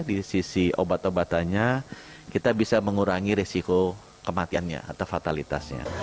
di sisi obat obatannya kita bisa mengurangi risiko kematiannya atau fatalitasnya